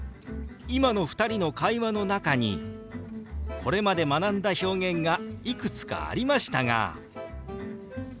今の２人の会話の中にこれまで学んだ表現がいくつかありましたが分かりました？